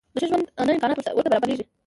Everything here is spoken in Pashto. د ښه ژوندانه امکانات ورته برابرېږي.